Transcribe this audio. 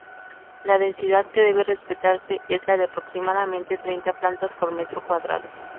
La densidad que debe respetarse es la de aproximadamente treinta plantas por metro cuadrado.